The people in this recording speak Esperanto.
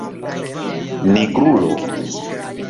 nigrulo